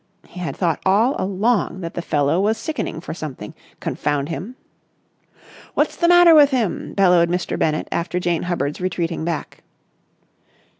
He had thought all along that the fellow was sickening for something, confound him! "What's the matter with him?" bellowed Mr. Bennett after Jane Hubbard's retreating back.